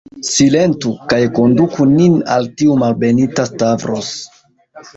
Silentu, kaj konduku nin al tiu malbenita Stavros.